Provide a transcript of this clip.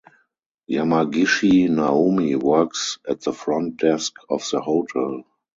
Yamagishi Naomi works at the front desk of the hotel.